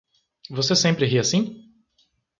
Você sempre ri assim?